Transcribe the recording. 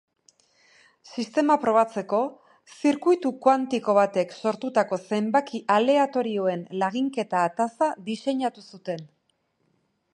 Sistema probatzeko, zirkuitu kuantiko batek sortutako zenbaki aleatorioen laginketa-ataza diseinatu zuten.